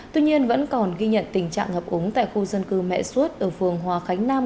tuy nhiên vẫn còn ghi nhận tình trạng ngập úng tại khu dân cư mẹ suốt ở phường hòa khánh nam